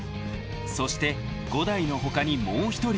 ［そして伍代の他にもう一人］